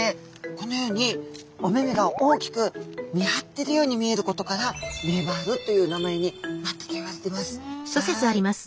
このようにお目々が大きく見張ってるように見えることからメバルという名前になったといわれてます。